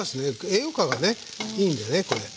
栄養価がいいんでねこれ。